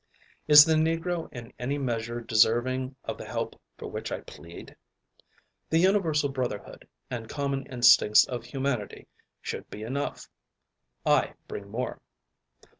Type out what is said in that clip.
Is the Negro in any measure deserving of the help for which I plead? The universal brotherhood, and common instincts of humanity should be enough. I bring more.